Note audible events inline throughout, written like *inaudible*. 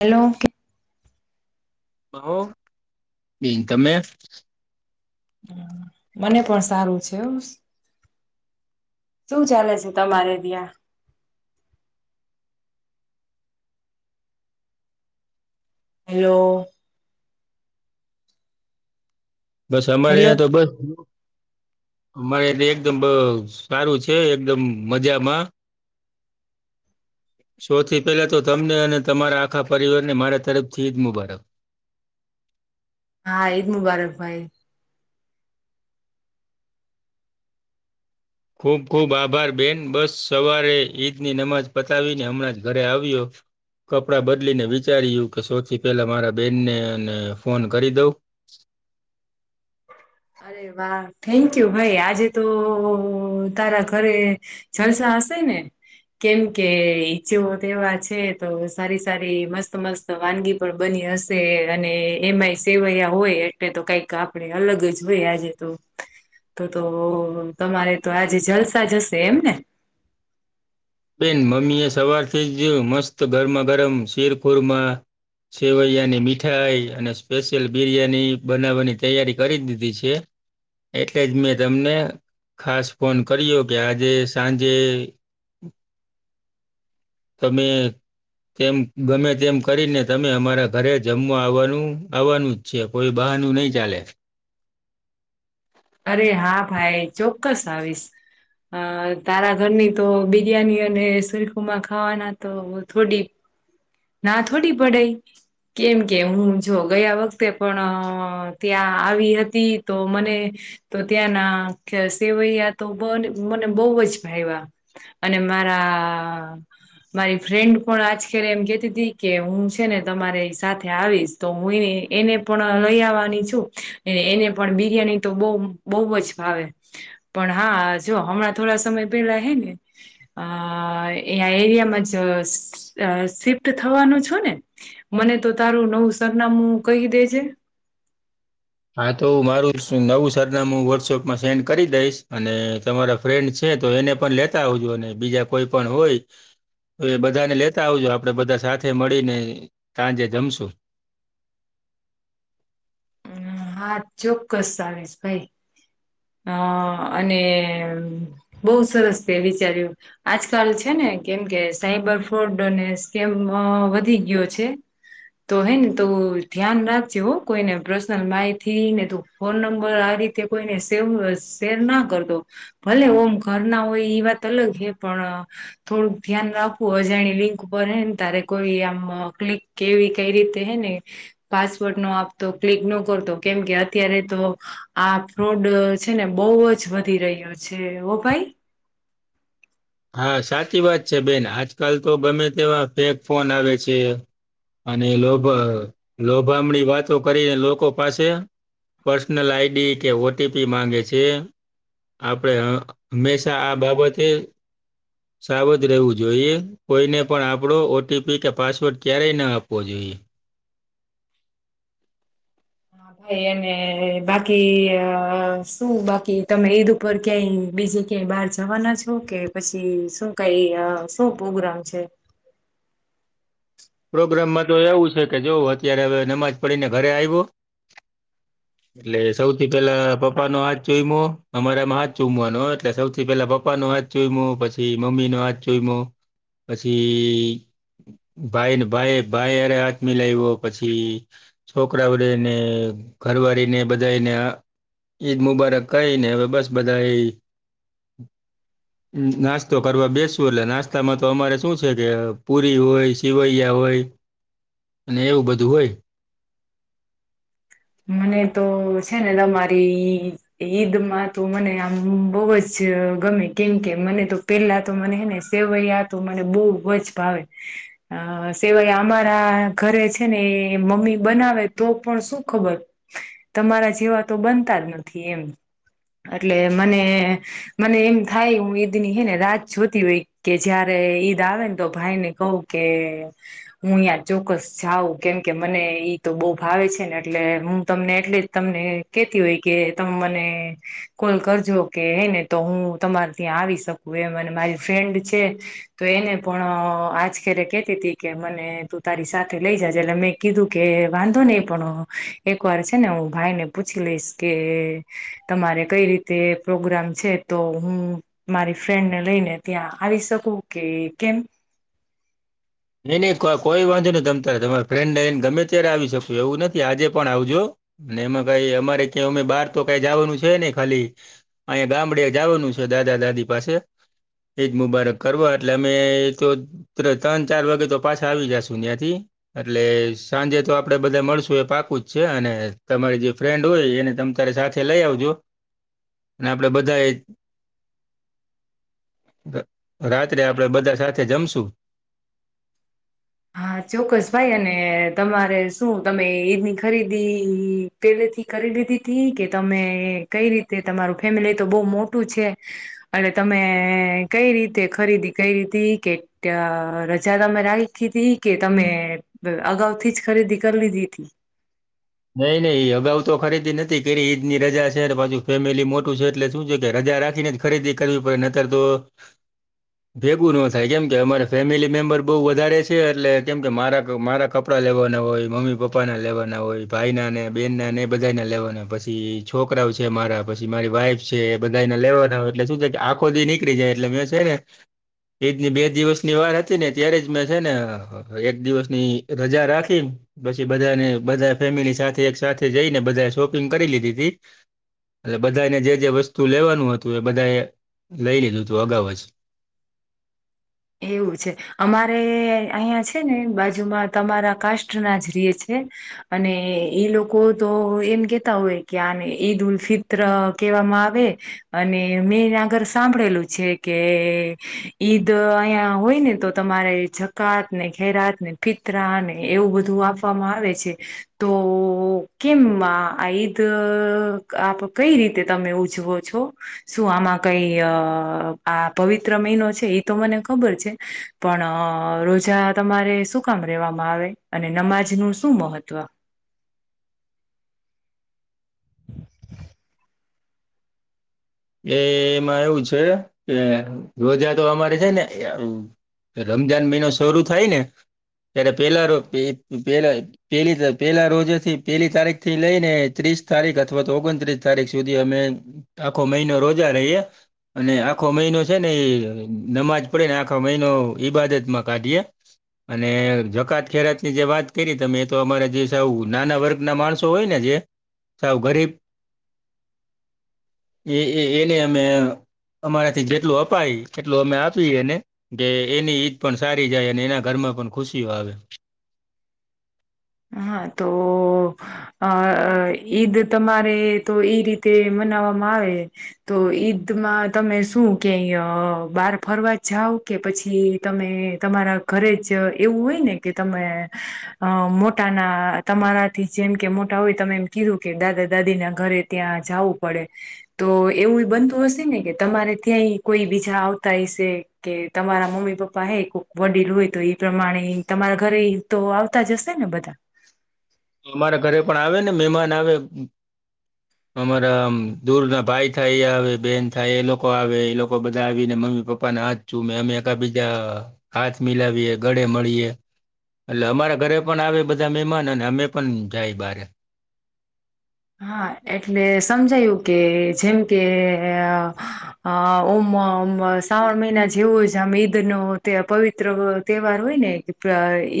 Hello બહો બ તમે મને પણ સારું છે એવું શું ચાલે છે તમારે ત્યાં હલો બસ અમારે હેલો અહં તો બસ અમારે એલે એકદમ સારું છે એકદમ મજામાં સૌથી પેલા તો તમને અને તમારા આખા પરિવાર ને મારા તરફથી ઈદ મુબારક હા ઈદ મુબારક ભાઈ ખૂબ ખૂબ આભાર બેન બસ સવારે ઈદની નમાજ પતાવીને હમણાં જ ઘરે આવ્યો કપડાં બદલીને વિચાર્યું કે સૌથી પહેલાં મારા બેનનેને ફોન કરી દઉં અરે વાહ થેન્ક યુ ભાઈ આજે તો તારા ઘરે જલસા હશે ને કેમ કે ઈદનો તહેવાર છે, તો સારી સારી મસ્ત મસ્ત તો વાનગી પણ બની હશે, અને એમાંય સેવયા હોય એટલે તો કઈક આપણે અલગ જ જોય આજે તો તો તો તમારે તો આજે જલસા જશે એમ ને? બેન, મમ્મી એ સવારથી જ મસ્ત ગરમા ગરમ શીરખોરમાં સેવૈયાની મીઠાઈ અને સ્પેશિયલ બિરિયાની બનાવવાની તૈયારી કરી દીધી છે. એટલે જ મેં તમને ખાસ ફોન કર્યો કે આજે સાંજે તમે તેમ ગમે તેમ કરીને તમે અમારા ઘરે જમવા આવવાનું, આવવાનું. છે, કોઈ બહાનું નહી ચાલે. અરે હા ભાઈ, ચોક્કસ આવીશ. અ તારા ઘરની તો બિરિયાની અને શીરખોરમાં ખાવાના તો થોડી ના થોડી પડાય. કેમ કે હું જો ગયા વખતે પણ ત્યાં આવી હતી, તો મને તો ત્યાંના સેવૈયા તો મને બહુ જ ભાવીયા. અને મારા મારી ફ્રેન્ડ પણ આજ કરે એમ કે તે કે હું છે ને તમારી સાથે આવીશ, તો હું એ એને પણ લઈ આવવાની છું. એને પણ બિરિયાની તો બહુ બહુ જ ભાવે. પણ હા, જો હમણાં થોડા સમય પેલા હે ને અ એ એરિયામાં જ સિફટ થવાનું છો ને? મને તો તારું નવું સરનામું કહીં દેજે. હા, તો હુ મારું નવું સરનામું હું વોટ્સઅપમાં સેન્ડ કરી દઈશ. અને તમારા ફ્રેન્ડ છે તો એને પણ લેતા આવજો, અને બીજા કોઈ પણ હોય તો એ બધાને લેતા આવજો. આપણે બધા સાથે મળીને સાંજે જમીશું. હા, ચોક્કસ આવીશ ભાઈ. અરે, અને બહુ સરસ તે વિચાર્યું. આજકાલ છે ને, કેમ કે સાઈબર ફ્રોડ અને સ્કેમ વધી ગયો છે. તો હે ને, તો ધ્યાન રાખજે હો. કોઈને પ્રશ્ન માહિતી ને તુ ફોન નંબર આ રીતે કોઈને સેવ શેર ના કરતો. ભલે ઓમ ઘર ના હોય, એ વાત અલગ હે, પણ થોડુંક ધ્યાન રાખવું અજાણ્યા લિંક ઉપર હે ને તારે કોઈ આમ ક્લિક કેવી કઈ રીતે હે ને, પાસવોર્ટ નો આપતો, ક્લિક નો કરતો, કેમ કે અત્યારે તો આ ફ્રોડ છે ને, બહુ જ વધી રહ્યો છે હો ભાઈ હા સાચી વાત છે બેન, આજકાલ તો ગમે તેવા ફેક ફોન આવે છે. અને લોભ, લોભામડી વાતો કરીને લોકો પાસે પર્સનલ આઈડી કે ઓ. ટી. પી માગે છે. આપણે હંમેશા આ બાબતે સાવધાન રહેવું જોઈએ, કોઈને પણ આપણો ઓટીપી કે પાસવર્ડ ક્યારેય ના આપવો જોઈએ. હા એ બાકી શું, બાકી તમે ઈદ ઉપર ક્યાય બીજું કે બહાર જવાના છો કે પછી શું કંઈ, શું પ્રોગ્રામ છે? પ્રોગ્રામમાં તો એવું છે કે, જો અત્યારે હવે નમાજ પડીને ઘરે આવ્યો એટલે સૌથી પેલા પપ્પાો હાથ ચુઈમો. અમારામાં હાથ ચૂમવાનો એટલે સૌથી પેલા પપ્પા નો હાથ ચૂઈમો, પછી મમ્મી નો હાથ ચૂઈમો, પછી ભાઈને, ભાઈ. ભાઈ અરે હાથમી લાવ્યો પછી છોકરા વળેને, ઘરવાળી ને બધાને ઈદ મુબારક કહીને, હવે બસ બધા એ નાસ્તો કરવા બેસવું. એટલે નાસ્તામાં તો અમારે શું છે કે, પુરી હોય. કવૈયા હોય અને એવું બધું હોય મને તો છે ને, તમારી ઈ ઈદમાં તો મને આમ બહુ જ ગમે, કેમ કે મને તો પેલા તો મને હે ને સેવૈયા તો મને બહુ વજ ભાવે. અ સિવાય અમારા ઘરે છે ને એ મમ્મી બનાવે તો પણ શું ખબર તમારા જેવા તો બનતા જ નથી એમ એટલે મને મને એમ થાય હું ઈદની હે ને રાત જોતી હોય કે જયારે ઈદ આવે ને તો ભાઈને કહું કે હું અહં ચોક્કસ જાઉં કેમ કે મને ઈ તો બહુ ભાવે છે ને એટલે હું તમને એટલે જ તમને કેતી હોય કે તમે મને કોલ કરજો કે હૈ ને તો હું તમારે ત્યાં આવી શકું એમ અને મારી ફ્રેન્ડ છે. તો એને પણ આજખરે કેતી તી કે મને તું તારી સાથે લઈ જજે એટલે મેં કીધું કે વાંધો નહી પણ એક વાર છે, ને હું ભાઈ ને પૂછી લઈશ કે તમારે કઈ રીતે પ્રોગ્રામ છે. તો હું મારી ફ્રેન્ડને લઈને ત્યાં આવી શકું કે કેમ? નઈ નહીં કોઈ વાંધો નહી તમ તમારા ફ્રેન્ડ નને ગમે ત્યારે આવી શકું એવું નથી આજે પણ આવજો અને એમાં કઈ અમારે ક્યાં અમે બાર તો કઈ જવાનું છે ને ખાલી અહીંયા ગામડે જવાનું છે, દાદા દાદી પાસે ઈદ મુબારક કરવા એટલે અમે તો તર તાજ ચાર વાગે તો પાછા આવી જશું ત્યાંથી એટલે સાંજે તો આપડે બધા મળશું એ પાકું જ છે, અને તમારી જે ફ્રેન્ડ હોય એને તમ તારે સાથે લઈ આવજો અને આપડે બધા એ રાત્રે આપડે બધા સાથે જમશુ હા ચોક્કસ ભાઈ અને તમારે શું તમે ઈદની ખરીદી પેલેથી કરી લીધી હતી કે તમે કઈ રીતે તમારું ફેમિલી તો બહ મોટું છે. એટલે તમે કઈ રીતે ખરીદી કઈ રીતે કે ત રજા તમે રાય કે તમે અગાઉ થી જ ખરીદી કરી લીધી હતી નઈ નહીં એ અગાઉ તો ખરીદી નથી કેરી ઈદ ની રજા છે, ને પાછુ ફેમિલી મોટું છે, એટલે શું છે કે રજા રાખીને ખરીદી કરવી પડે નતર તો ભેગું ન થાય કેમ કે અમારે ફેમિલી મેમ્બર બઉુ વધારે છે એટલે કેમ કે મારા મારા કપ ડાં લેવાના હોય મમ્મી પપ્પાના લેવાના હોય ભાઈ ના ને બેન ના ને બધા ના લેવાના પછી છોકરાઓ છે, મારા પછી મારી વાઈફ છે બધાને લેવાના એટલે શું છે કે આખોદી નીકળી જાય એટલે મે છે ને એજની બે દિવસ ની વાર હતી ને ત્યારે જ મેં છે ને એક દિવસ ની રજા રાખી પછી બધાને બધા ફેમિલી સાથે એક સાથે જઈને બધાએ શોપિંગ કરી લીધી હતી એટલે બધાને જે જે વસ્તુ લેવાનું હતું એ બધા એ લઈ લીધું હતું અગાઉ જ એવું છે. અમારે અહિયાં છે, ને બાજુમાં તમારા કાસ્ટ ના જ રેય છે. અને એઈ લોકો તો એમ કેતા હોય કે આને ઈદ ઉલ ફિત તર કેવામાં આવે અને મેં આગળ સાંભળેલું છે કે ઈદ અયા હોય ને તો તમારે જકાત ને ખેરાત ને ફિતરા ને એવું બધું આપ વામાં આવે છે. તો કેમ આ ઈદ આપ કઈ રીતે તમે ઉજવો છો? શું આમાં કઈ આ પવિત્ર મહિનો છે, એ તો મને ખબર છે પણ રોજા તમારે શું કામ રેવામાં આવે અને નમાજ નું શું મહત્વ? *inaudible* એમાં એવું છે, કે રોજા તો અમારે છે ને રમજાન મહિનો શરૂ થાય ને ત્યારે પેલા પેલા પેલી પેલા રોજથી પેલી તારીખ થી લઈને ત્રીસ તારીખ અથવા તો ઓગણત્રીસ તારીખ સુધી અમે આખો મહિનો રોજા રહીએ. અને આખો મહિનો છે ને એ નમાજ પડે ને આખો મહિનો ઈબાદત માં કાઢીએ અને જકાત ખેરાત ની જે વાત કરી તમે એ તો અમારા જે સા નાના વર્ગ ના માણસો હોય ને જે સાવ ગરીબ એ એ એને અમે અમારાથી જેટલું અપાય એટલું અમે આપીએ એને કે એની ઈદ પણ સારી જાય અને એના ઘરમાં પણ ખુશીઓ આવે હા તો અ ઈદ તમારે તો એઈ રીતે મનાવવામાં આવે તો ઈદ માં તમે શું કે અ બાર ફરવા જાવ કે પછી તમે તમારા ઘરે જ એવું હોય ને કે તમે અ મો મોટાના તમારાથી જેમ કે મોટા હોય તમે એમ કીધું કે દાદા દાદી ના ઘરે ત્યાં જવું પડે તો એવું બનતું હશે ને કે તમારે ત્યાંય કોઈ બીજા આવતા હશે કે તમારા મમ્મી પપ્પા હે કોઈક વડીલ હોય તો એ પ્રમાણે તમારા ઘરે તો આવતા જ હશે ને બધા અમારા ઘરે પણ આવે ને મહેમાન આવે અમારા દૂર ના ભાઈ થાય એ આવે બેહેન થાય એ લોકો આવે એ લોકો બધા આવીને મમ્મી પપ્પાના હાથ અમે એક બીજા હાથ મિલાવીએ ગળે મળીએ એટલે અમારા ઘરે પણ આવે બધા મહેમાન અને અમે પણ જાય બારે હા એટલે સમજાયું કે જેમ કે અ ઓમ શ્રાવણ મહિના જેવું હોય છે આમ ઈદ નોતહે પવિત્ર તહેવાર હોય ને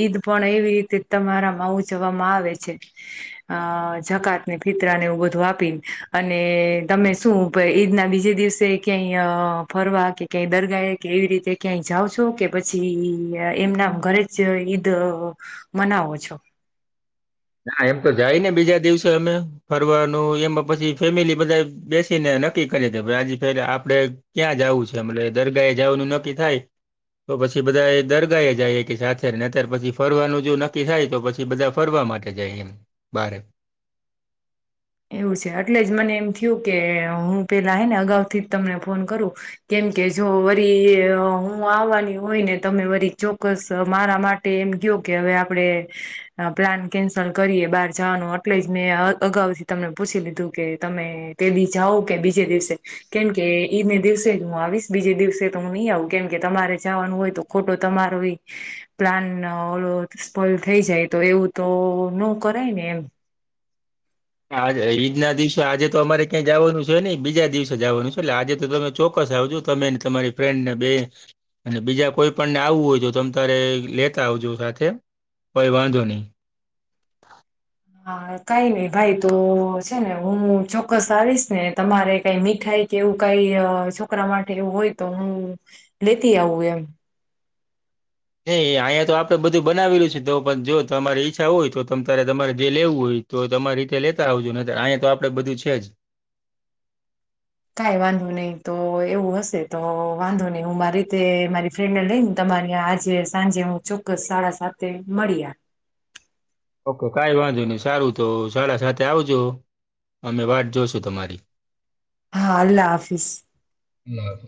ઈદ પણ એવી રીતે તમારા માં ઉજવવામાં આવે છે. અ જકાત ફિતરાને એવું બધું આપીને અને તમે શું ઈદના બીજે દિવસે ક્યાંય ફરવા કે ક્યાંય દર્ગાાય કે એવી રીતે ક્યાંય જાઉ છો કે પછી એમનામ ઘરે જે ઈદ મનાવો છો ના એમ તો જાયને બીજા દિવસે અમે ફરવાનું એમાં પછી ફેમિલી બધા બેસી ને નક્કી કરી છે આજ પે આપડે ક્યાં જવું છે દરગા એ જવાનું નક્કી થાય તો પછી બધા એ દર્ગા એ જાય કે સાથે ને અત્યારે પછી ફરવાનું જો નક્કી થાય તો પછી બધા ફરવા માટે જયંદ બારે એવું છે એટલે જ મને એમ થયું કે હું પેલા હ ને અગાઉ થી જ તમને ફોન કરું કેમ કે જો વરી હું આવવાની હોય ને તમે વરી ચોક્કસ મારા માટે એમ કયો કે હવે આપડણે પ્લાન કેન્સલ કરીએ બહાર જવાનું એટલે જ મેં અગાઉ તમને પૂછી લીધું કે તમે પેલી જાઓ કે બીજે દિવસે કેમકે ઈને દિવસે જ હું આવીશ બીજે દિવસે તો હું નહી આવું કેમ કે તમારે જવાનું હોય તો ખોટો તમારો એ પ્લાન ઓફલ થઈ જાય તો એવું તો નો કરાય ને એમ ઈદના દિવસે આજે તો અમારે ક્યાં જવાનું છે નને બીજા દિવસે જવાનું છે એટલે આજે તો તમે ચોક્કસ આવજું તમે તમારી ફ્રેન્ડ ને બે અને બીજા કોઈ પણ ને આવવું હોય તો તમે તારે લેતા આવજો સાથે કોઈ વાંધો નહી હા કઈ નઈ ભાઈ તો છે ને હું ચોક્કસ આવીશ ને તમારે કઈ મીઠાઈ કે એવું કઈ છોકરા માટે એવું હોય તો હું લેતી આવું એમ નહી અહીંયા તો આપડે બધું બનાવેલું છે તો પણ જો તમારી ઈચ્છા હોય તો તમા તમારે જે લેવું હોય તો તમારી રીતે લેતા આવજો ને અહીંયા તો આપડે બધું છે જ કઈ વાંધો નહી તો એવું હશે તો વાંધો નહી હું મારી રીતે મારી ફ્રેન્ડને લઈ ને તમારી આજે સાંજે હું ચોક્કસ સાડા સાતે મળીયા ઓકે કઈ વાંધો નહી સારું તો સાડા સાતે આવજો અમે વાત જોશું તમારી હા અલ્લાહ હાફિજ લબ